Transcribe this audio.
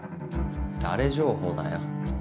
誰情報だよ？